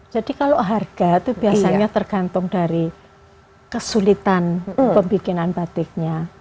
jadi kalau harga itu biasanya tergantung dari kesulitan pembikinan batiknya